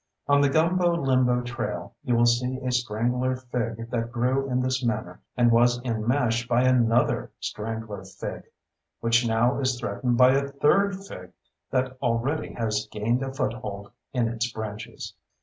On the Gumbo Limbo Trail you will see a strangler fig that grew in this manner and was enmeshed by another strangler fig—which now is threatened by a third fig that already has gained a foothold in its branches.